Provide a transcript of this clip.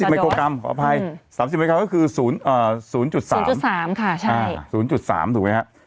๓๐ไมโครกรัมก็คือ๐๓ถูกไหมครับ